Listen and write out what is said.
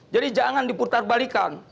jadi jangan diputar balikan